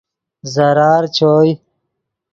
ضرار چوئے